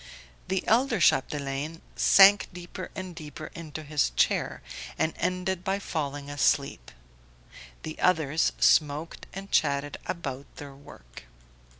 The elder Chapdelaine sank deeper and deeper into his chair, and ended by falling asleep; the others smoked and chatted about their work.